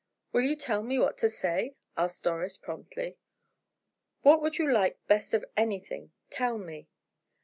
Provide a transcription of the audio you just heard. "Will you tell me what to say?" asked Doris, promptly. "What would you like best of anything tell me?"